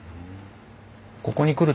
ここに来る